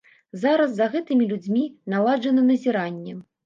Зараз за гэтымі людзьмі наладжана назіранне.